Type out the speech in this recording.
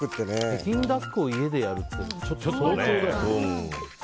北京ダックを家でやるって相当ね。